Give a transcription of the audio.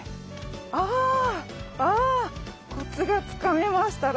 あコツがつかめました。